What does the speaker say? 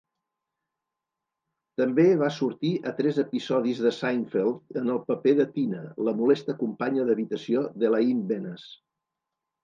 També va sortir a tres episodis de "Seinfeld" en el paper de Tina, la molesta companya d'habitació d'Elaine Benes.